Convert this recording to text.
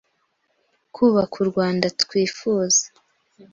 kubaka u Rwanda twifuza,